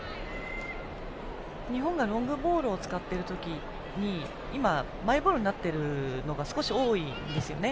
日本がロングボールを使っている時に今、マイボールになっているのが少し多いんですよね。